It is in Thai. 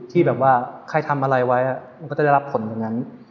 ที่แบบว่าใครทำอะไรไว้มันก็จะได้รับผลอย่างนั้น